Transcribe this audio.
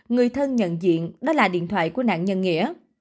người thân nhận diện đó là điện thoại của nạn nhân nghĩa